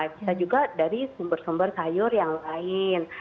bisa juga dari sumber sumber sayur yang lain